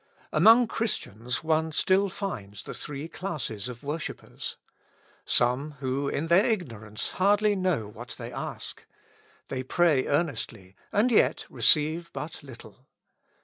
Among Christians one still finds the three classes of worshippers. Some who in their ignorance hardly know what they ask ; they pray earnestly, and yet receive but little.